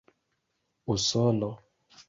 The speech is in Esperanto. usono